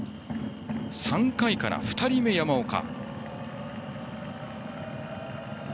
３回から２人目、山岡。